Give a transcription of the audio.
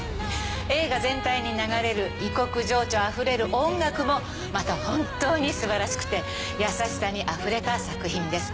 映画全体に流れる異国情緒あふれる音楽も本当に素晴らしくて優しさにあふれた作品です。